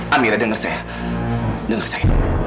amira denger saya